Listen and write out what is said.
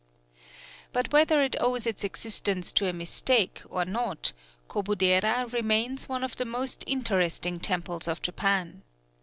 But whether it owes its existence to a mistake or not, Kobudera remains one of the most interesting temples of Japan.